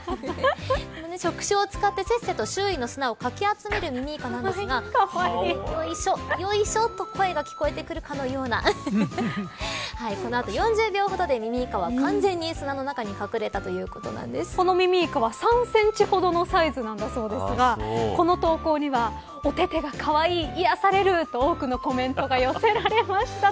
触手を使って、せっせと周囲の砂をかき集めるミミイカなんですがよいしょよいしょと声が聞こえてくるかのようなこの後４０秒ほどで、ミミイカは完全に砂の中に隠れたこのミミイカは３センチほどのサイズなんだそうですがこの投稿には、お手々がかわいい癒やされると多くのコメントが寄せられました。